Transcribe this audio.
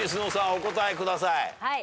お答えください。